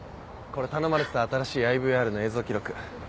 これ頼まれてた新しいＩＶＲの映像記録。